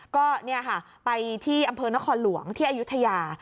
ก็ไปที่อำเภอนครหลวงที่อายุทยา